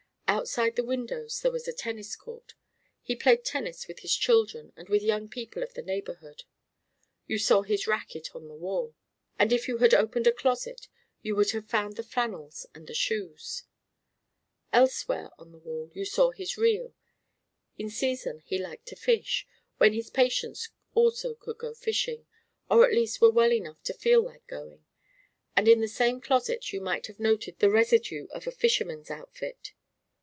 Outside the windows there was a tennis court; he played tennis with his children and with young people of the neighborhood. You saw his racquet on the wall; and if you had opened a closet, you would have found the flannels and the shoes. Elsewhere on the wall you saw his reel. In season he liked to fish, when his patients also could go fishing, or at least were well enough to feel like going; and in the same closet you might have noted the residue of a fisherman's outfit.